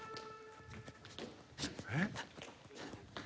えっ？